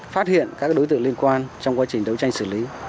phát hiện các đối tượng liên quan trong quá trình đấu tranh xử lý